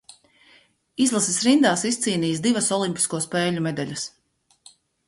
Izlases rindās izcīnījis divas olimpisko spēļu medaļas.